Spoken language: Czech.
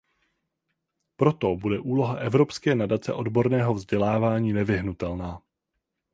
Proto bude úloha Evropské nadace odborného vzdělávání nevyhnutelná.